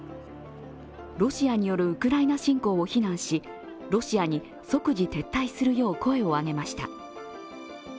ロシアによるウクライナ侵攻を非難しロシアに即時撤退するよう声を上げました。